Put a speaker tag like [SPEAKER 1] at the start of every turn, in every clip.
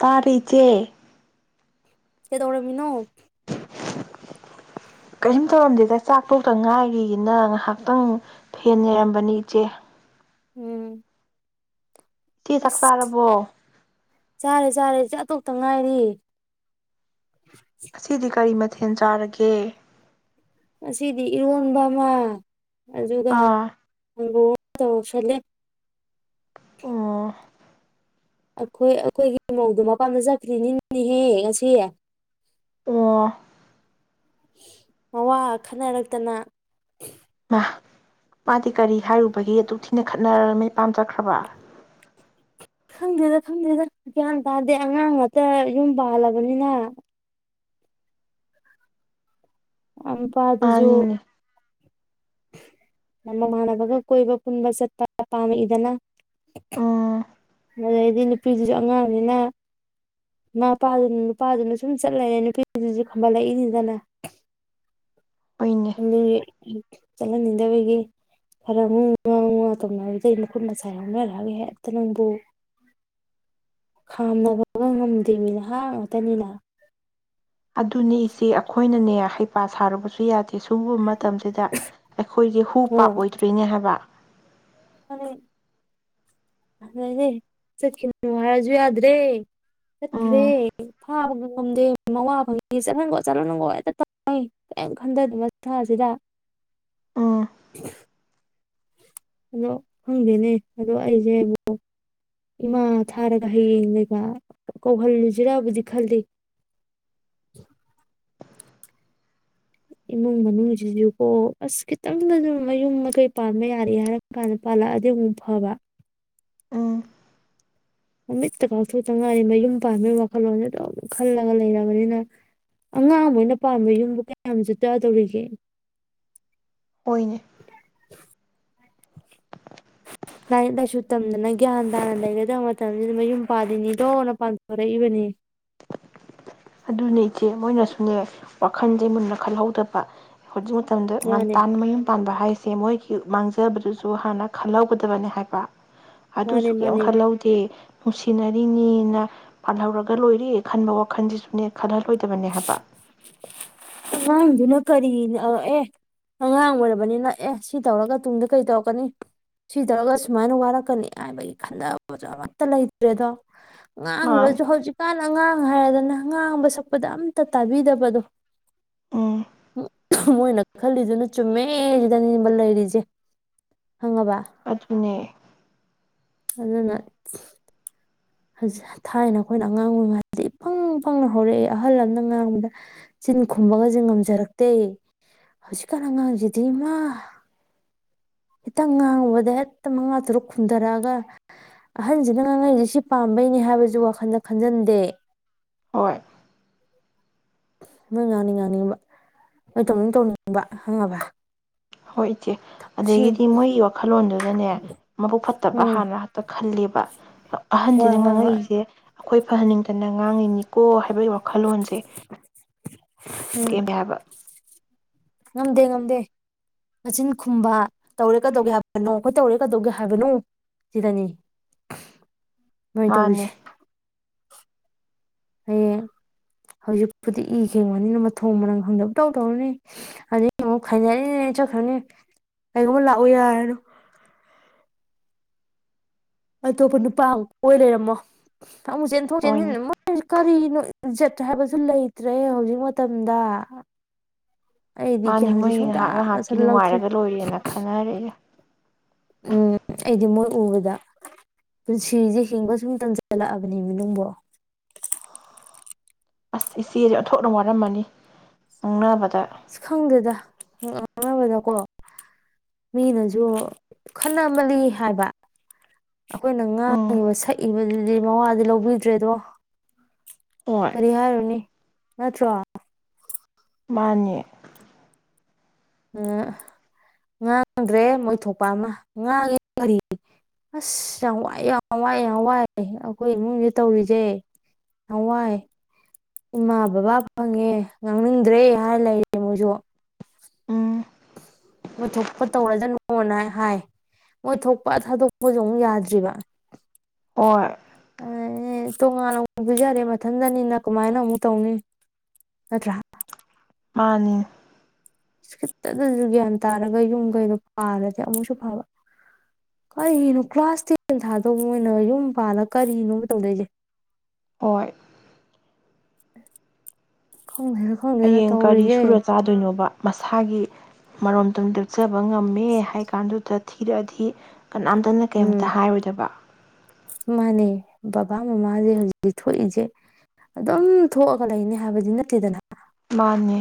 [SPEAKER 1] ꯇꯥꯔꯦ ꯏꯆꯦ꯫
[SPEAKER 2] ꯀꯩꯗꯧꯔꯝꯃꯤꯅꯣ꯫
[SPEAKER 1] [unintelligible] ꯀꯔꯤꯝ ꯇꯧꯔꯝꯗꯦꯗ ꯆꯥꯛꯇꯣꯛꯇ ꯉꯥꯏꯔꯤꯅ ꯉꯥꯏꯍꯥꯛꯇꯪ ꯐꯦꯟ ꯌꯥꯏꯔꯝꯕꯅꯤ ꯏꯆꯦ꯫
[SPEAKER 2] ꯎꯝ
[SPEAKER 1] ꯇꯤ ꯆꯥꯛ
[SPEAKER 2] ꯑꯁ
[SPEAKER 1] ꯆꯥꯔꯕꯣ
[SPEAKER 2] ꯆꯥꯛ ꯇꯣꯛꯇ ꯉꯥꯏꯔꯤ꯫
[SPEAKER 1] ꯑꯁꯤꯗꯤ ꯀꯔꯤ ꯃ ꯊꯦꯜ ꯆꯥꯔꯒꯦ
[SPEAKER 2] ꯉꯁꯤꯗꯤ ꯏꯔꯣꯟꯕ ꯑꯃ ꯑꯗꯨꯒ
[SPEAKER 1] ꯑꯥ
[SPEAKER 2] ꯀꯥꯡꯍꯧ ꯇꯧꯁꯜꯂꯦ
[SPEAKER 1] ꯑꯣ
[SPEAKER 2] ꯑꯩꯈꯣꯏ ꯑꯩꯈꯣꯏꯒꯤ ꯃꯧꯗꯣ ꯃꯄꯥꯟꯗ ꯆꯠꯈ꯭ꯔꯤꯅꯤꯅꯦꯍꯦ ꯉꯁꯤ
[SPEAKER 1] ꯑꯣ
[SPEAKER 2] ꯃꯋꯥ ꯈꯟꯅꯔꯛꯇꯅ
[SPEAKER 1] ꯏꯃꯥ ꯃꯥꯗꯤ ꯀꯔꯤ ꯍꯥꯏꯔꯨꯕꯒꯤ ꯑꯗꯨꯛ ꯊꯤꯅ ꯈꯠꯅꯔ ꯃꯄꯥꯝ ꯆꯠꯈ꯭ꯔꯕ
[SPEAKER 2] ꯈꯪꯗꯦꯗ ꯈꯪꯗꯦꯗ ꯒ꯭ꯌꯥꯟ ꯇꯥꯗꯦ ꯑꯉꯥꯡ ꯉꯇ ꯌꯨꯝ ꯄꯥꯜꯂꯕꯅꯤꯅ ꯑꯝ ꯃꯄꯥꯗꯨꯁꯨ
[SPEAKER 1] ꯃꯥꯅꯤꯅꯦ
[SPEAKER 2] ꯃꯃꯥꯟꯅꯕꯒ ꯀꯣꯏꯕ ꯄꯨꯟꯕ ꯆꯠꯄ ꯄꯥꯝꯃꯛꯏꯗꯅ
[SPEAKER 1] ꯎꯝ
[SPEAKER 2] ꯑꯗꯨꯗꯩꯗꯤ ꯅꯨꯄꯤꯗꯨꯁꯨ ꯑꯉꯥꯡꯅꯤꯅ ꯏꯃꯥꯄꯥꯗꯨꯅ ꯅꯨꯄꯥꯗꯨꯅ ꯁꯨꯝ ꯆꯠꯂꯔꯦ ꯅꯨꯄꯤꯗꯨꯁꯨ ꯈꯝꯕꯜꯂꯛꯏꯅꯤꯗꯅ
[SPEAKER 1] ꯍꯣꯏꯅꯦ
[SPEAKER 2] ꯆꯠꯍꯟꯅꯤꯡꯗꯕꯒꯤ ꯈꯔ ꯉꯨ ꯉꯥ ꯉꯥ ꯇꯧꯅꯕꯗꯒꯤ ꯃꯈꯨꯠ ꯃꯁꯥꯏ ꯌꯥꯎꯅꯔꯛꯑꯒ ꯍꯦꯛꯇ ꯅꯪꯕꯨ ꯈꯥꯝꯅꯕꯒ ꯉꯝꯗꯦꯃꯤ ꯅꯍꯥ ꯉꯥꯛꯇꯅꯤꯅ
[SPEAKER 1] ꯑꯗꯨꯅꯦ ꯏꯆꯦ ꯑꯩꯈꯣꯏꯅꯅꯦ ꯍꯩꯄꯥ ꯁꯥꯔꯨꯕꯁꯨ ꯌꯥꯗꯦ ꯁꯨꯕ ꯃꯇꯝꯁꯤꯗ ꯑꯩꯈꯣꯏꯁꯤ ꯍꯨ ꯄꯥꯞ
[SPEAKER 2] ꯍꯣꯏ
[SPEAKER 1] ꯑꯣꯏꯗ꯭ꯔ‌ꯣꯏꯅꯦ ꯍꯥꯏꯕ
[SPEAKER 2] ꯆꯠꯈꯤꯅꯨ ꯍꯥꯏꯔꯁꯨ ꯌꯥꯗ꯭ꯔꯦ ꯆꯠꯈ꯭ꯔ‌ꯦ
[SPEAKER 1] ꯎꯝ
[SPEAKER 2] ꯐꯥꯕꯒ ꯈꯣꯝꯗꯦ ꯃꯋꯥꯐꯪꯏ ꯆꯠꯍꯟꯒꯣ ꯆꯠꯍꯟꯒ‌ꯣ ꯍꯦꯛꯇ ꯇꯥꯜꯂꯤ ꯀꯔꯤꯝ ꯈꯟꯊꯗ‌ꯦ ꯃꯁꯥꯁꯤꯗ
[SPEAKER 1] ꯎꯝ
[SPEAKER 2] ꯑꯗꯣ ꯈꯪꯗꯦꯅꯦ ꯑꯗꯣ ꯑꯩꯁꯦꯕꯨ ꯏꯃꯥ ꯊꯥꯔꯒ ꯍꯌꯦꯡ ꯂꯩꯕ ꯀꯧꯍꯜꯂꯨꯁꯤꯔꯕꯨꯗꯤ ꯈꯜꯂꯤ ꯏꯃꯨꯡ ꯃꯅꯨꯡꯁꯤꯁꯨꯀꯣ ꯑꯁ ꯈꯤꯇꯪꯗꯖꯨ ꯃꯌꯨꯝ ꯃꯀꯩ ꯄꯥꯟꯕ ꯌꯥꯔꯦ ꯍꯥꯏꯔ ꯀꯥꯟꯗ ꯄꯥꯜꯂꯛꯑꯗꯤ ꯑꯃꯨꯛ ꯐꯕ
[SPEAKER 1] ꯎꯝ
[SPEAKER 2] ꯃꯃꯤꯠꯇ ꯄꯥꯡꯊꯣꯛꯇꯉꯥꯏꯔꯤ ꯃꯌꯨꯝ ꯄꯥꯟꯕꯩ ꯋꯥꯈꯜꯂꯣꯟꯁ‌ꯦ ꯑꯗꯨꯝ ꯈꯜꯂꯒ ꯂꯩꯔꯕꯅꯤꯅ ꯑꯉꯥꯡ ꯃ‌ꯣꯏꯅ ꯄꯥꯟꯕꯥ ꯌꯨꯝꯕꯨ ꯀꯌꯥꯝ ꯖꯨꯠ ꯆꯥꯗꯧꯔꯤꯒꯦ
[SPEAKER 1] ꯍ‌ꯣꯏꯅꯦ
[SPEAKER 2] ꯂꯥꯏꯔꯤꯛ ꯂꯥꯏꯁꯨ ꯇꯝꯗꯅ ꯒ꯭ꯌꯥꯟ ꯇꯥꯅ ꯂꯩꯒꯗꯕ ꯃꯇꯝꯁꯤꯗ ꯃꯌꯨꯝ ꯄꯥꯜꯂꯤꯅꯤꯗꯣꯅ ꯄꯥꯟꯊꯣꯔꯛꯏꯕꯅꯤ
[SPEAKER 1] ꯑꯗꯨꯅꯦ ꯏꯆꯦ ꯃꯣꯏꯅꯁꯨꯅꯦ ꯋꯥꯈꯜꯁꯦ ꯃꯨꯟꯅ ꯈꯜꯍꯧꯗꯕ ꯍꯧꯖꯤꯛ ꯃꯇꯝꯗ
[SPEAKER 2] ꯃꯥꯅꯦ
[SPEAKER 1] ꯉꯥꯟꯇꯥꯅ ꯃꯌꯨꯝ ꯄꯥꯟꯕ ꯍꯥꯏꯁꯦ ꯃꯣꯏꯒꯤ ꯃꯥꯡꯖꯕꯗꯨꯁꯨ ꯍꯥꯟꯅ ꯈꯜꯍꯧꯒꯗꯕꯅꯦ ꯍꯥꯏꯕ
[SPEAKER 2] ꯃꯥꯅꯦ
[SPEAKER 1] ꯑꯗꯨꯁꯨ ꯀꯩꯝ
[SPEAKER 2] ꯃꯥꯅꯦ
[SPEAKER 1] ꯈꯜꯍꯧꯗꯦ ꯅꯨꯡꯁꯤꯅꯔꯤꯅꯤꯅ ꯄꯥꯜꯍꯧꯔꯒ ꯂꯣꯏꯔ ꯈꯟꯕ ꯋꯥꯈꯟꯁꯤꯁꯨ ꯈꯜꯍꯜꯂꯣꯏꯗꯕꯅꯦ ꯍꯥꯏꯕ
[SPEAKER 2] ꯑꯉꯥꯡꯗꯨꯅ ꯀꯔꯤꯅ ꯑꯦ ꯑꯉꯥꯡ ꯑꯣꯏꯔꯕꯅꯤꯅ ꯑꯦ ꯁꯤ ꯇꯧꯔꯒ ꯇꯨꯡꯗ ꯀꯔꯤ ꯇꯧꯔꯛꯀꯅꯤ ꯁꯤ ꯇꯧꯔꯒ ꯁꯨꯃꯥꯏꯅ ꯋꯥꯔꯛꯀꯅꯤ ꯍꯥꯏꯕꯒꯤ ꯈꯟꯊꯕ ꯑꯃꯠꯇꯖꯨ ꯂꯩꯇ꯭ꯔꯦꯗꯣ
[SPEAKER 1] ꯃꯥꯅꯦ
[SPEAKER 2] ꯉꯥꯡꯉꯨꯔꯁꯨ ꯍꯧꯖꯤꯛꯀꯥꯟ ꯑꯉꯥꯡ ꯍꯥꯏꯔꯗꯅ ꯉꯥꯡꯕ ꯁꯛꯄ ꯄꯗ ꯑꯝꯇ ꯇꯥꯕꯤꯗꯕꯗꯣ
[SPEAKER 1] ꯎꯝ
[SPEAKER 2] [unintelligible] ꯃꯣꯏꯅ ꯈꯜꯂꯤꯗꯨꯅ ꯆꯨꯝꯃꯦ ꯁꯤꯗꯅꯤꯕ ꯂꯩꯔꯤꯖ‌ꯦ
[SPEAKER 1] ꯑꯗꯨꯅꯦ
[SPEAKER 2] ꯑꯗꯨꯅ ꯊꯥꯏꯅ ꯑꯩꯈꯣꯏꯅ ꯑꯉꯥꯡ ꯑꯣꯏꯉꯩꯗꯗꯤ ꯏꯄꯪ ꯄꯪꯅ ꯍꯧꯔꯛꯑꯦ ꯑꯍꯜ ꯑꯃꯅ ꯉꯥꯡꯕꯗ ꯆꯤꯟ ꯈꯨꯝꯕꯒꯁꯦ ꯉꯝꯖꯔꯛꯇꯦ ꯍꯧꯖꯤꯛꯀꯥꯟ ꯑꯉꯥꯡꯁꯤꯗꯤ ꯏꯃꯥ ꯈꯤꯇꯪ ꯉꯥꯡꯨꯕꯗ ꯍꯦꯛꯇ ꯃꯉꯥ ꯇꯔꯨꯛ ꯈꯨꯝꯊꯔꯛꯑꯒ ꯑꯍꯟꯁꯤꯅ ꯉꯥꯡꯉꯛꯏꯁꯤ ꯁꯤ ꯄꯥꯝꯕꯩꯅꯦ ꯍꯥꯏꯕꯁꯨ ꯋꯥꯈꯜꯗ ꯈꯟꯖꯟꯗꯦ
[SPEAKER 1] ꯍꯣꯏ
[SPEAKER 2] ꯅꯣꯏ ꯉꯥꯡꯅꯤꯡ ꯉꯥꯡꯅꯤꯡꯕ ꯅꯣꯏ ꯇꯧꯅꯤꯡ ꯇꯧꯅꯤꯡꯕ ꯈꯪꯉꯕ
[SPEAKER 1] ꯍꯣꯏ ꯆꯦ
[SPEAKER 2] ꯁꯤ
[SPEAKER 1] ꯑꯗꯒꯤꯗꯤ ꯃꯣꯏꯒꯤ ꯋꯥꯈꯜꯂꯣꯟꯗꯨꯗꯅꯦ ꯃꯕꯨꯛ ꯐꯠꯇꯕ
[SPEAKER 2] ꯎꯝ
[SPEAKER 1] ꯍꯥꯟꯅ ꯍ‌ꯦꯛꯇ ꯈꯜꯂꯦꯕ
[SPEAKER 2] ꯍꯣꯏ
[SPEAKER 1] ꯑꯍꯟꯁꯤꯅ
[SPEAKER 2] ꯍꯣꯏ ꯍꯣꯏ
[SPEAKER 1] ꯉꯥꯡꯉꯛꯏꯁꯦ ꯑꯩꯈꯣꯏ ꯐꯍꯟꯅꯤꯡꯗꯅ ꯉꯥꯡꯉꯤꯅꯤꯀꯣ꯫ ꯍꯥꯏꯕꯒꯤ ꯋꯥꯈꯜꯂꯣꯟꯁꯦ
[SPEAKER 2] ꯎꯝ
[SPEAKER 1] [unintelligible] ꯍꯥꯏꯕ꯫
[SPEAKER 2] ꯉꯝꯗꯦ ꯉꯝꯗꯦ ꯃꯆꯤꯟ ꯈꯨꯝꯕ ꯇꯧꯔꯦ ꯀꯗꯧꯒꯦ ꯍꯥꯏꯕꯅꯣ ꯑꯩꯈꯣꯏ ꯇꯧꯔꯦ ꯀꯩꯗꯧꯒꯦ ꯍꯥꯏꯕꯅꯣ ꯁꯤꯗꯅꯤ꯫ ꯃꫭꯏ ꯇꯧꯔꯤꯁꯤ꯫
[SPEAKER 1] ꯃꯥꯅꯦ
[SPEAKER 2] ꯍꯌꯦꯡ ꯍꯧꯖꯤꯛꯄꯨꯗꯤ ꯏ ꯈꯦꯡꯕꯅꯤꯅ ꯃꯊꯣꯡ ꯃꯔꯝ ꯈꯪꯗꯕ ꯄꯪꯇꯧ ꯇꯧꯔꯅꯤ ꯑꯗꯨꯒꯤ ꯑꯃꯨꯛ ꯈꯥꯏꯅꯔꯤꯅꯦ ꯆꯠꯈ꯭ꯔꯅꯤ ꯀꯩꯒꯨꯝꯕ ꯂꯥꯛꯎ ꯌꯥꯔꯅꯣ꯫ ꯑꯇꯣꯞꯄ ꯅꯨꯄꯥ ꯑꯃꯨꯛ ꯀꫭꯏ ꯂꯩꯔꯝꯃꯣ꯫ ꯑꯃꯨꯛ ꯆꯦꯟ ꯊꯣꯛꯣꯛ
[SPEAKER 1] ꯃꯣꯏꯅꯦ
[SPEAKER 2] ꯆꯦꯟꯁꯤꯟ ꯀꯔꯤꯅꫭ꯫ ꯏꯖꯠ ꯍꯥꯏꯕꯁꯨ ꯂꯩꯇ꯭ꯔꯦ ꯍꯧꯖꯤꯛ ꯃꯇꯝꯗ꯫ ꯑꯩꯗꯤ
[SPEAKER 1] ꯃꯥꯅꯦ
[SPEAKER 2] ꯒ꯭ꯌꯥꯟꯁꯦ
[SPEAKER 1] ꯃꯣꯏ ꯉꯍꯥꯛ
[SPEAKER 2] ꯁꯨꯡꯇꯥ
[SPEAKER 1] ꯉꯍꯥꯛꯀꯤ
[SPEAKER 2] ꯇꯥꯁꯜꯂꯛꯇ꯭ꯔꯦ
[SPEAKER 1] ꯅꯨꯡꯉꯥꯏꯔꯒ ꯂꯣꯏꯔꯦꯅ ꯈꯟꯅꯔꯦ꯫
[SPEAKER 2] ꯎꯝ ꯑꯩꯗꯤ ꯃꯣꯏ ꯎꯕꯗ ꯄꯨꯟꯁꯤꯁꯦ ꯍꯤꯡꯕ ꯁꯨꯝ ꯇꯝꯁꯤꯜꯂꯛꯑꯕꯅꯦ ꯅꯪꯕꫭ꯫
[SPEAKER 1] ꯑꯁ ꯏꯆꯦꯁꯦ ꯑꯣꯟꯊꯣꯛꯅ ꯋꯥꯔꯝꯃꯅꯤ ꯉꯪꯅꯕꯗ꯫
[SPEAKER 2] ꯑꯁ ꯈꯪꯗꯦꯗ [unintelligible] ꯉꯥꯡꯅꯕꯗꯀꯣ ꯃꯤꯅꯁꯨ ꯈꯅ ꯃꯟꯂꯤ ꯍꯥꯏꯕ ꯑꯩꯈꯣꯏꯅ
[SPEAKER 1] ꯎꯝ
[SPEAKER 2] ꯉꯥꯡꯉꯤꯕ ꯁꯛꯏꯕꯗꯨꯗꯤ ꯃꯋꯥꯗꯤ ꯂꯧꯕꯤꯗ꯭ꯔꯦꯗꯣ꯫
[SPEAKER 1] ꯍꯣꯏ
[SPEAKER 2] ꯀꯔꯤ ꯍꯥꯏꯔꯨꯅꯤ꯫ ꯅꯠꯇ꯭ꯔꫭ꯫
[SPEAKER 1] ꯃꯥꯅꯤ꯫
[SPEAKER 2] ꯉꯥꯡꯗ꯭ꯔꯦ ꯃꯣꯏ ꯊꯣꯛꯣꯛꯄ ꯑꯃ ꯉꯥꯡꯉꯦ ꯀꯔꯤ ꯑꯁ ꯌꯥꯝ ꯋꯥꯏ ꯌꯥꯝ ꯋꯥꯏ ꯌꯥꯝ ꯋꯥꯏ ꯑꯩꯈꯣꯏ ꯏꯃꯨꯡꯁꯦ ꯇꯧꯔꯤꯁꯦ ꯌꯥꯝ ꯋꯥꯏ ꯏꯃꯥ ꯕꯕꯥ ꯐꯪꯉꯦ ꯉꯥꯡꯅꯤꯡꯗ꯭ꯔꯦ ꯍꯥꯏꯔ ꯂꯩꯔꯦ ꯃꯣꯏꯁꯨ꯫
[SPEAKER 1] ꯎꯝ
[SPEAKER 2] ꯃꯣꯏ ꯊꯣꯛꯄ ꯇꯧꯔꯗꯅꯣꯅ ꯍꯥꯏ ꯃꯣꯏ ꯊꯣꯛꯄ ꯊꯥꯗꯣꯛꯄꯁꯨ ꯑꯃꯨꯛ ꯌꯥꯗ꯭ꯔꯤꯕ꯫
[SPEAKER 1] ꯍꯣꯏ
[SPEAKER 2] ꯑ꯫ ꯇꯣꯉꯥꯟꯅ ꯑꯃꯨꯛ ꯄꯤꯖꯔꯦ ꯃꯊꯟꯗꯅꯤꯅ ꯀꯃꯥꯏꯅ ꯑꯃꯨꯛ ꯇꯧꯅꯤ ꯅꯠꯇ꯭ꯔꯥ꯫
[SPEAKER 1] ꯃꯥꯅꯤ꯫
[SPEAKER 2] ꯈꯤꯇꯗꯁꯨ ꯒ꯭ꯌꯥꯟ ꯇꯥꯔꯒ ꯌꯨꯝ ꯀꯩꯩꯅꯣ ꯄꯥꯜꯂꯗꯤ ꯑꯃꯨꯛꯁꯨ ꯐꯥꯕ ꯀꯔꯤꯒꯤꯅꯣ ꯀ꯭ꯂꯥꯁ ꯇꯦꯟ ꯊꯥꯗꯧꯕ ꯃꯣꯏꯅ ꯌꯨꯝ ꯄꯥꯜꯂꯒ ꯀꯔꯤꯅꯣ ꯇꯧꯗꯣꯏꯁꯦ꯫
[SPEAKER 1] ꯍꯣꯏ꯫
[SPEAKER 2] ꯈꯪꯗꯦꯅ ꯈꯪꯗꯦꯅ
[SPEAKER 1] ꯍꯌꯦꯡ ꯀꯔꯤ
[SPEAKER 2] ꯇꯧꯔꯤꯁꯦ
[SPEAKER 1] ꯁꯨꯔ ꯆꯥꯗꯣꯏꯅꯣꯕ꯫ ꯃꯁꯥꯒꯤ ꯃꯔꯣꯝꯇꯣꯝ ꯂꯦꯞꯆꯕ ꯉꯝꯃꯦ ꯍꯥꯏ ꯀꯥꯟꯗꯨꯗ ꯊꯤꯔꯛꯑꯗꯤ꯫ ꯀꯅꯥꯝꯇꯅ ꯀꯔꯤꯝꯇ
[SPEAKER 2] ꯎꯝ
[SPEAKER 1] ꯍꯥꯏꯔꯣꯏꯗꯕ꯫
[SPEAKER 2] ꯃꯥꯅꯦ ꯕꯕꯥ ꯃꯃꯥꯁꯦ ꯍꯧꯖꯤꯛꯇꯤ ꯊꯣꯛꯏꯁꯦ ꯑꯗꯨꯝ ꯊꯣꯛꯑꯒ ꯂꯩꯅꯤ ꯍꯥꯏꯕꯗꯤ ꯅꯠꯇꯦꯗꯅ꯫
[SPEAKER 1] ꯃꯥꯅꯦ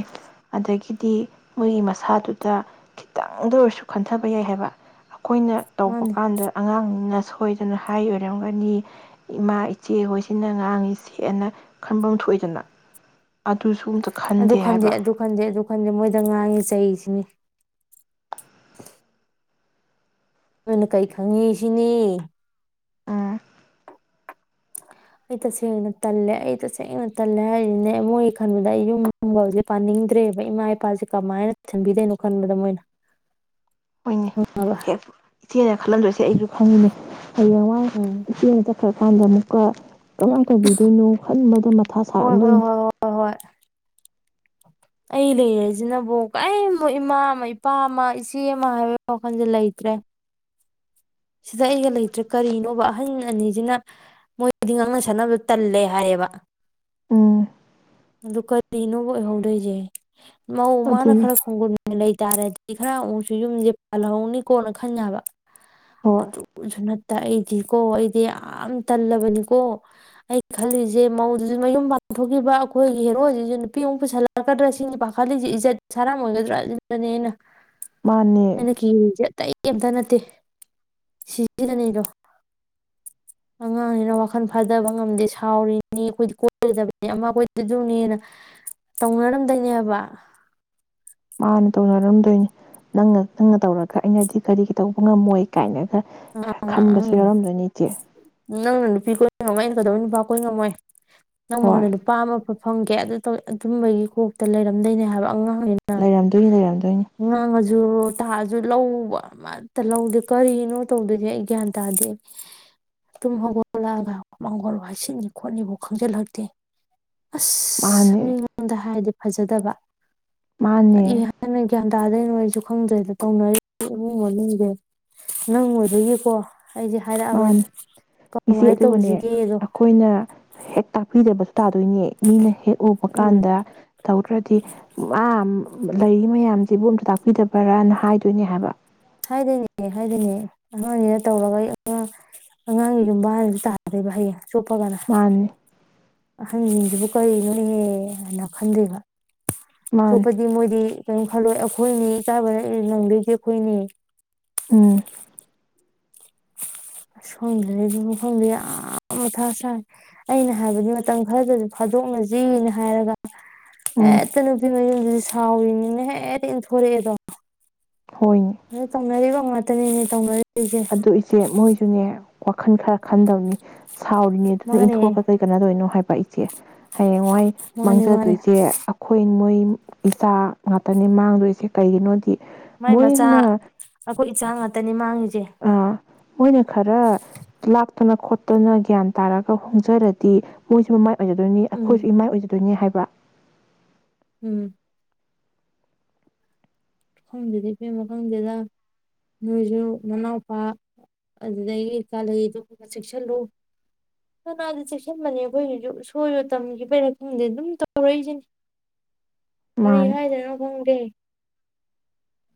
[SPEAKER 1] ꯑꯗꯒꯤꯗꯤ ꯃꯣꯏꯒꯤ ꯃꯁꯥꯗꯨꯗ ꯈꯤꯇꯪꯗ ꯑꯣꯏꯔꯁꯨ ꯈꯟꯊꯕ ꯌꯥꯏ ꯍꯥꯏꯕ꯫ ꯑꯩꯈꯣꯏꯅ ꯇꯧꯕ
[SPEAKER 2] ꯃꯥꯅꯦ
[SPEAKER 1] ꯀꯥꯟꯗ ꯑꯉꯥꯡꯁꯤꯡꯅ꯫ ꯁꯣꯏꯗꯅ ꯍꯥꯏ ꯑꯣꯏꯔꯝꯒꯅꯤ ꯏꯃꯥ ꯏꯆꯦ ꯍꯣꯏꯁꯤꯅ ꯉꯥꯡꯉ ꯁꯦꯅ ꯈꯟꯐꯝ ꯊꯣꯛꯏꯗꯅ ꯑꯗꯨꯁꯨ꯫ ꯑꯝꯇ
[SPEAKER 2] ꯑꯗꯨ ꯈꯟꯗꯦ
[SPEAKER 1] ꯍꯥꯏꯕ
[SPEAKER 2] ꯑꯗꯨ ꯈꯟꯗꯦ ꯑꯗꯨ꯫ ꯑꯩꯈꯣꯏꯗꯦ ꯃꯣꯏꯗ ꯉꯥꯡꯉꯤ ꯆꯩꯁꯤꯅꯤ꯫ ꯅꫭꯏꯅ ꯀꯔꯤ ꯈꯪꯉꯤ ꯁꯤꯅꯤ꯫
[SPEAKER 1] ꯑ
[SPEAKER 2] ꯑꯩ ꯇꯁꯦꯡꯅ ꯇꯜꯂꯦ ꯑꯩ ꯇꯁꯦꯡꯅ ꯇꯜꯂꯦ ꯍꯥꯏꯁꯤꯅꯦ ꯑꯩ ꯃꯣꯏꯒꯤ ꯈꯟꯕꯗ ꯑꯩ ꯌꯨꯝꯒ ꯄꯥꯅꯤꯡꯗ꯭ꯔꯦꯕ ꯏꯃꯥ ꯏꯄꯥꯁꯦ ꯀꯃꯥꯏꯅ ꯊꯝꯕꯤꯗꯣꯏꯅꯣ ꯈꯟꯕꯗ ꯃꯣꯏꯅ
[SPEAKER 1] ꯍꯣꯏꯅꯦ
[SPEAKER 2] ꯈꯪꯉꯕ
[SPEAKER 1] ꯍꯦꯛ ꯏꯆꯦꯅ ꯈꯜꯂꯝꯗꯣꯏꯁꯦ ꯑꯩꯖꯨ꯫ ꯈꯪꯉꯤꯅꯦ ꯍꯌꯦꯡꯋꯥꯏ
[SPEAKER 2] ꯎꯝ
[SPEAKER 1] ꯏꯆꯦ ꯈ꯭ꯔ ꯀꯥꯟꯗ ꯑꯃꯨꯛꯀ ꯀꯃꯥꯏ ꯇꯧꯕꯤꯗꯣꯏꯅꯣ ꯈꯟꯕ
[SPEAKER 2] ꯍꯣꯏ ꯍꯣꯏ ꯍꯣꯏ ꯍꯣꯏ ꯍꯣꯏ ꯑꯩ ꯂꯩꯔꯁꯤꯅꯕꯨ ꯀꯔꯤ ꯏꯃꯥ ꯑꯃ ꯏꯄꯥ ꯑꯃ ꯏꯆꯦ ꯑꯃ ꯍꯥꯏꯕ ꯋꯥꯈꯜꯁꯦ ꯂꯩꯇ꯭ꯔꯦ ꯁꯤꯗ ꯑꯩꯒ ꯂꯩꯇ꯭ꯔꯦ ꯀꯔꯤꯅꯣꯕ ꯑꯍꯟ ꯑꯅꯤꯁꯤꯅ ꯃꯣꯏꯗꯤ ꯉꯥꯡꯅ ꯁꯥꯟꯅꯕꯗꯣ ꯇꯜꯂꯦ ꯍꯥꯏꯌꯦꯕ
[SPEAKER 1] ꯎꯝ
[SPEAKER 2] ꯑꯗꯨꯒꯗꯤ ꯅꯪ ꯑꯣꯏꯍꯧꯗꯣꯏꯁꯦ ꯃꯧ ꯃꯥꯅ
[SPEAKER 1] ꯑꯗꯨꯅꯤ
[SPEAKER 2] ꯈꯔ ꯈꯣꯡꯒꯨꯟ ꯂꯩꯇꯥꯔꯦꯗꯤ ꯈꯔ ꯑꯃꯨꯛꯁꯨ ꯌꯨꯝꯁꯦ ꯄꯥꯜꯍꯧꯅꯤ ꯀꯣꯅ ꯈꯟꯕ ꯌꯥꯕ
[SPEAKER 1] ꯍꯣꯏ
[SPEAKER 2] ꯑꯗꯨꯁꯨ ꯅꯠꯇ ꯑꯩ ꯗꯤꯀꯣ ꯑꯩꯗꯤ ꯌꯥꯝ ꯇꯜꯂꯕꯅꯤꯀꯣ ꯑꯩ ꯈꯜꯂꯤꯁꯦ ꯃꯧꯗꯨꯁꯨ ꯃꯌꯨꯝ ꯄꯥꯡꯊꯣꯛꯈꯤꯕ ꯑꯩꯈꯣꯏꯒꯤ ꯍꯦꯔꯣꯖꯤꯁꯤꯁꯨ ꯅꯨꯄꯤꯃꯨꯛ ꯄꯨꯁꯜꯂꯛꯀꯗ꯭ꯔꯥ ꯁꯤꯁꯤꯅꯤ ꯄꯥꯈꯠꯂꯤꯁꯦ ꯏꯖꯠ ꯁꯥꯔꯥꯃꯒꯗ꯭ꯔꯥ ꯑꯗꯨꯗꯅꯦꯅ
[SPEAKER 1] ꯃꯥꯅꯦ
[SPEAKER 2] ꯑꯩꯅ ꯀꯤꯔꯤꯁꯤ ꯑꯇꯩ ꯀꯦꯝꯇ ꯅꯠꯇꯦ ꯇꯦ [unintelligible] ꯑꯉꯥꯡꯅꯤꯅ ꯋꯥꯈꯜ ꯐꯥꯗꯕ ꯉꯝꯗꯦ ꯁꯥꯎꯔꯤꯅꯤ ꯑꯩꯈꯣꯏꯗꯤ ꯀꯣꯏꯒꯗꯕꯅꯤ ꯑꯃ ꯑꯩꯈꯣꯏꯗꯨꯅꯦꯅ ꯇꯧꯅꯔꯝꯗꯣꯏꯅꯦꯕ
[SPEAKER 1] ꯃꯥꯟꯅꯦ ꯇꯧꯅꯔꯝꯗꯣꯏꯅꯤ ꯅꯪꯅ ꯅꯪꯅ ꯇꯧꯔꯒ ꯑꯩꯅꯗꯤ ꯀꯔꯤꯒꯤ ꯇꯧꯕ ꯉꯝꯃꯣꯏ ꯀꯥꯏꯅꯒ ꯈꯟꯕꯁꯨ ꯌꯥꯎꯔꯝꯗꯣꯏꯅꯤ ꯏꯆꯦ
[SPEAKER 2] [unintelligible] ꯅꯪꯅ ꯅꯨꯄꯤ ꯀꯣꯏꯔ ꯑꯩꯅ ꯑꯃꯨꯛ ꯀꯗꯧꯕꯩ ꯅꯨꯄꯥ ꯀꯣꯏ ꯉꯝꯃꯣꯏ ꯅꯪ
[SPEAKER 1] ꯍꯣꯏ
[SPEAKER 2] ꯃꯥꯡꯗ ꯅꯨꯄꯥꯃ ꯐꯪꯒꯦ ꯑꯗꯨ ꯑꯗꯨꯝꯕꯒꯤ ꯀꯣꯛꯇ ꯂꯩꯔꯝꯗꯣꯏꯅꯦ ꯍꯥꯏꯕ ꯑꯉꯥꯡ
[SPEAKER 1] ꯂꯩꯔꯝꯗꯣꯏꯅꯤ ꯂꯩꯔꯝꯗꯣꯏꯅꯤ
[SPEAKER 2] [unintelligible] ꯉꯥꯡꯉꯁꯨ ꯇꯥꯛ ꯑꯁꯨ ꯂꯧꯕ ꯑꯃꯇ ꯂꯧꯗꯦ ꯀꯔꯤꯅꯣ ꯇꯧꯗꯣꯏꯁꯦ ꯑꯩ ꯒ꯭ꯌꯥꯟ ꯇꯥꯗꯦ ꯇꯨꯝ ꯍꯧꯒꯠꯂꯛꯑꯒ ꯃꯥꯡꯒꯣꯜ ꯋꯥꯏ ꯁꯤꯠꯅꯤ ꯈꯣꯠꯅꯤꯕꯣꯛ ꯈꯪꯖꯤꯜꯂꯛꯇꯦ ꯑꯁ
[SPEAKER 1] ꯃꯥꯅꯦ
[SPEAKER 2] ꯃꯤꯉꯣꯟꯗ ꯍꯥꯏꯗꯤ ꯐꯖꯗꯕ
[SPEAKER 1] ꯃꯥꯅꯦ
[SPEAKER 2] ꯀꯔꯤ ꯍꯥꯏꯅ ꯒ꯭ꯌꯟ ꯇꯥꯗꯣꯏ ꯅꯣ ꯑꯩꯁꯨ ꯈꯪꯗ꯭ꯔꯗ ꯇꯧꯅꯔꯤ ꯏꯃꯨꯡ ꯃꯅꯨꯡꯁꯦ ꯅꯪ ꯑꯣꯏꯕꯒꯤꯀꯣ ꯑꯩꯁꯦ ꯍꯥꯏꯔꯛꯑꯕꯅꯤ
[SPEAKER 1] ꯃꯥꯟꯅꯦ ꯏꯆꯦ
[SPEAKER 2] ꯀꯃꯥꯏꯅ
[SPEAKER 1] ꯑꯗꯨꯒꯅꯦ
[SPEAKER 2] ꯇꯧꯁꯤꯒꯦꯗꯣ
[SPEAKER 1] ꯑꯈꯣꯏꯅ ꯍꯦꯛ ꯇꯥꯛꯄꯤꯗꯕꯁꯨ ꯇꯥꯗꯣꯏꯅꯦ ꯃꯤꯅ ꯍꯦꯛ ꯎꯕ
[SPEAKER 2] ꯎꯝ
[SPEAKER 1] ꯀꯥꯟꯗ ꯇꯧꯗ꯭ꯔꯗꯤ ꯃꯥ ꯂꯩꯔꯤ ꯃꯌꯥꯝꯁꯤꯕꯨ ꯑꯝꯇ ꯇꯥꯛꯄꯤꯗꯕꯔꯥꯅ ꯍꯥꯏꯗꯣꯏꯅꯦ ꯍꯥꯏꯕ
[SPEAKER 2] ꯍꯥꯏꯗꯣꯏꯅꯦ ꯍꯥꯏꯗꯣꯏꯅꯦ ꯑꯉꯥꯡꯅꯤꯅ ꯇꯧꯔꯒ ꯑꯩ ꯑꯉꯥꯡ ꯑꯉꯥꯡꯒꯤ ꯌꯨꯝꯕꯥꯟꯑꯗꯨ ꯇꯥꯗꯣꯏꯕ ꯍꯌꯦꯡ ꯆꯣꯞꯄꯒꯅ
[SPEAKER 1] ꯃꯥꯅꯤ
[SPEAKER 2] ꯑꯍꯟꯁꯤꯡꯁꯤꯕꯨ ꯀꯔꯤꯅꯣ ꯍꯥꯏꯅ ꯈꯟꯗꯕ
[SPEAKER 1] ꯃꯥꯅꯤ
[SPEAKER 2] ꯆ꯭ꯔꯧꯄꯗꯤ ꯃꯣꯗꯤ ꯀꯩꯅꯝ ꯈꯜꯂꯣ ꯑꯩꯈꯣꯏꯅꯤ ꯏ ꯆꯥꯕꯗ ꯅꯪꯗꯣꯏꯁꯦ ꯑꯩꯈꯣꯏꯅꯤ
[SPEAKER 1] ꯎꯝ
[SPEAKER 2] ꯈꯪꯗꯔ꯭ꯦꯗ ꯑꯩꯁꯨ ꯈꯪꯗꯔꯦ ꯌꯥꯝ ꯃꯊꯥ ꯁꯥꯏ ꯑꯩꯅ ꯍꯥꯏꯕꯗꯤ ꯃꯇꯝ ꯈꯔꯗꯁꯨ ꯐꯥꯗꯣꯛꯅꯁꯤꯅ ꯍꯥꯏꯔꯒ
[SPEAKER 1] ꯎꯝ
[SPEAKER 2] ꯍꯦꯛꯇ ꯅꯨꯄꯤ ꯃꯌꯨꯝ ꯑꯗꯨꯗꯤ ꯁꯥꯎꯔꯤꯅꯤꯅ ꯍꯦꯛꯇ ꯏꯟꯊꯣꯔꯛꯑꯦꯗꯣ
[SPEAKER 1] ꯍꯣꯏꯅꯦ
[SPEAKER 2] ꯈꯪꯗꯦ ꯇꯧꯅꯔꯤꯕ ꯉꯛꯇꯅꯦ ꯇꯧꯅꯔꯤ
[SPEAKER 1] ꯑꯗꯨ ꯏꯆꯦ ꯃꯣꯏꯁꯨꯅꯦ ꯋꯥꯈꯜ ꯈꯔ ꯈꯟꯗꯧꯅꯤ ꯁꯥꯎꯔꯤꯅꯦ ꯑꯗꯨꯅ
[SPEAKER 2] ꯃꯥꯅꯦ
[SPEAKER 1] ꯏꯟꯊꯣꯛꯑ ꯀꯩ ꯀꯥꯅꯗꯣꯏꯅꯣ ꯍꯥꯏꯕ ꯄꯥꯏꯆꯦ ꯍꯌꯦꯡꯋꯥꯏ
[SPEAKER 2] ꯃꯥꯅꯦ ꯃꯥꯅꯦ
[SPEAKER 1] ꯃꯥꯡꯖꯗꯣꯏꯁꯦ ꯑꯩꯈꯣꯏ ꯃꯣꯏ ꯏꯆꯥ ꯉꯥꯛꯇꯅꯤ ꯃꯥꯡꯗꯣꯏꯁꯦ ꯀꯩꯒꯤꯅꯣꯗꯤ
[SPEAKER 2] ꯃꯥꯏ ꯃꯆꯥ
[SPEAKER 1] ꯃꯣꯏꯅ
[SPEAKER 2] ꯑꯩꯈꯣꯏ ꯏꯆꯥ ꯉꯛ ꯇꯅꯤꯃꯥꯡꯉꯤ
[SPEAKER 1] ꯑꯥ ꯃꯣꯏꯅ ꯈꯔ ꯂꯥꯛꯇꯅ ꯈꯣꯠꯇꯅ ꯒ꯭ꯌꯥꯟ ꯇꯥꯔꯒ ꯍꯣꯡꯖꯔꯗꯤ ꯃꯣꯏꯁꯨ ꯃꯃꯥꯏ ꯑꯣꯏꯖꯗꯣꯏꯅꯤ
[SPEAKER 2] ꯎꯝ
[SPEAKER 1] ꯑꯩꯈꯣꯏꯁꯨ ꯏꯃꯥꯏ ꯑꯣꯏꯖ ꯑꯣꯏꯗꯣꯏꯅꯤ ꯍꯥꯏꯕ
[SPEAKER 2] ꯎꯝ ꯈꯪꯗꯦꯗ ꯏꯕꯦꯝꯃ ꯈꯪꯗꯦꯗ ꯅꯣꯏꯁꯨ ꯅꯅꯥꯎꯄꯥ ꯑꯗꯨꯗꯒꯤ ꯀꯥꯂꯩ ꯑꯗꯨꯒꯨꯝꯕ ꯆꯦꯛꯁꯤꯜꯂꯨ ꯐꯅꯌꯥꯝꯗꯤ ꯆꯦꯛꯁꯤꯟꯕꯅꯤ ꯑꯩꯈꯣꯏꯒꯤꯁꯨ ꯁꯣꯏꯕ ꯇꯝꯕꯒꯤꯔ ꯈꯪꯗꯦ ꯑꯗꯨꯝ ꯇꯧ ꯔꯛ ꯇꯧꯔꯛꯏꯁꯤꯅꯤ ꯀꯔꯤ
[SPEAKER 1] ꯃꯥꯅꯦ
[SPEAKER 2] ꯍꯥꯏꯗꯅꯣ ꯈꯪꯗꯦ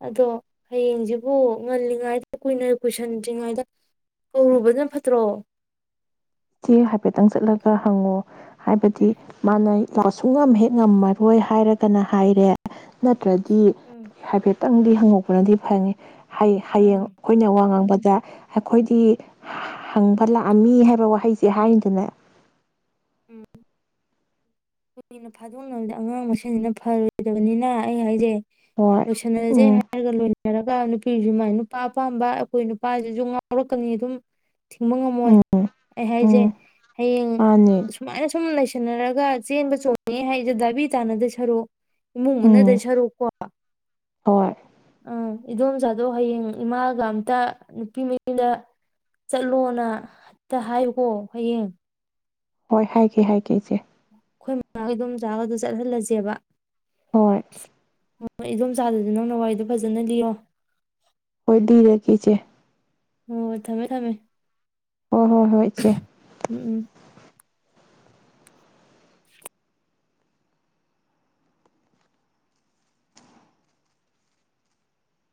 [SPEAKER 2] ꯑꯗꯣ ꯍꯌꯦꯡꯁꯤꯕꯨ ꯉꯜꯂꯤꯉꯩꯗ ꯀꯨꯏꯅ ꯀꯨꯏꯁꯟꯗ꯭ꯔꯤꯉꯩꯗ ꯀꯧꯔꯨꯕꯅ ꯐꯠꯇ꯭ꯔꯣ
[SPEAKER 1] ꯏꯆꯦ ꯍꯥꯏꯐꯦꯠꯇꯪ ꯆꯠꯂꯒ ꯍꯪꯉꯣ ꯍꯥꯏꯕꯗꯤ ꯃꯥꯅ ꯑ ꯁꯨꯡꯉꯝ ꯍꯦꯛ ꯉꯝꯃꯔꯣꯏ ꯍꯥꯏꯔꯒꯅ ꯍꯥꯏꯔꯦ ꯇ꯭ꯔꯗꯤ
[SPEAKER 2] ꯎꯝ
[SPEAKER 1] ꯍꯥꯏꯐꯦꯠ ꯈꯤꯇꯪꯗꯤ ꯍꯪꯉꯛꯄꯅꯗꯤ ꯐꯅꯤ ꯍꯌꯦꯡ ꯍꯌꯦꯡ
[SPEAKER 2] ꯃꯥꯅꯤ
[SPEAKER 1] ꯑꯩꯈꯣꯏꯅ ꯋꯥ ꯉꯥꯡꯕ ꯑꯩꯈꯣꯏꯗꯤ ꯍꯪꯕ ꯂꯥꯛꯑꯝꯃꯤ ꯍꯥꯏꯕ ꯋꯥꯍꯩ ꯁꯤ ꯍꯥꯏꯔꯤꯗꯅꯦ
[SPEAKER 2] ꯎꯝ ꯀꯨꯏꯅ ꯐꯥꯗꯣꯛꯅꯕꯗ ꯑꯉꯥꯡ ꯃꯁꯦꯟꯁꯤꯅ ꯐꯔꯣꯏꯗꯕꯅꯤꯅ ꯑꯩ ꯍꯥꯏꯖꯦ
[SPEAKER 1] ꯍꯣꯏ
[SPEAKER 2] ꯂꯣꯏꯁꯟꯅꯔꯁꯦ
[SPEAKER 1] ꯎꯝ
[SPEAKER 2] ꯍꯥꯏꯔꯒ ꯂꯣꯏꯅ ꯍꯥꯏꯔꯒ ꯅꯨꯄꯤꯁꯤ ꯃꯥꯏ ꯅꯨꯄꯥ ꯑꯄꯥꯝꯕ ꯑꯩꯈꯣꯏ ꯅꯨꯄꯥꯁꯤꯁꯨ ꯉꯥꯎꯔꯛꯀꯅꯤ ꯑꯗꯨꯝ ꯊꯤꯡꯕ ꯉꯝꯃꯣꯏ
[SPEAKER 1] ꯎꯝ
[SPEAKER 2] ꯑꯩ ꯍꯥꯏꯁꯦ
[SPEAKER 1] ꯎꯝ
[SPEAKER 2] ꯍꯌꯦꯡ
[SPEAKER 1] ꯃꯥꯅꯦ
[SPEAKER 2] ꯁꯨꯃꯥꯏꯅ ꯁꯨꯝ ꯁꯨꯝ ꯂꯩꯁꯟꯅꯔꯒ ꯆꯦꯟꯕ ꯆꯣꯡꯉꯦ ꯍꯥꯏꯁꯦ ꯗꯥꯕꯤ ꯇꯥꯅꯗ ꯁꯔꯛ ꯏꯃꯨꯡ ꯃꯟꯅ ꯗꯣꯏ
[SPEAKER 1] ꯎꯝ
[SPEAKER 2] ꯁꯥꯔꯨꯛ ꯀꯣ
[SPEAKER 1] ꯍꯣꯏ
[SPEAKER 2] ꯑ ꯏꯗꯣꯝꯆꯥꯗꯣ ꯍꯌꯦꯡ ꯏꯃꯥꯒ ꯑꯝꯇ ꯅꯨꯄꯤ ꯃꯌꯨꯝꯗ ꯆꯠꯂꯣꯅ ꯑꯛꯇ ꯍꯥꯏꯌꯨꯀꯣ ꯍꯌꯦꯡ
[SPEAKER 1] ꯍꯣꯏ ꯍꯥꯏꯒꯦ ꯍꯥꯏꯒꯦ ꯏꯆꯦ
[SPEAKER 2] ꯑꯩꯈꯣꯏ ꯃꯃꯥꯒꯤ ꯑꯗꯨꯝ ꯆꯥꯛ ꯑꯗꯨ ꯆꯠꯍꯜꯂꯁꯦꯕ
[SPEAKER 1] ꯍꯣꯏ
[SPEAKER 2] ꯍꯣꯏ ꯏꯗꯣꯝ ꯆꯥꯗꯗꯤ ꯅꯪꯅ ꯋꯥꯔꯤꯏꯗꯣ ꯐꯖꯅ ꯂꯤꯌꯣ
[SPEAKER 1] ꯍꯣꯏꯂꯤꯔ ꯀꯦ ꯏꯆꯦ
[SPEAKER 2] ꯍꯣꯏ ꯊꯝꯃꯦ ꯊꯝꯃꯦ
[SPEAKER 1] ꯍꯣꯏ ꯍꯣꯏ ꯍꯣꯏ ꯏꯆꯦ
[SPEAKER 2] ꯎꯝ ꯎꯝ